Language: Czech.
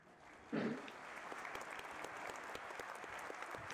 Navrhované reformy překračují hranice svobody jednotlivce vybrat si zdravotnický systém.